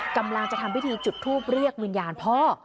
กำลังจะทำพิธีจุดทูปเรียกวิญญาณพ่อ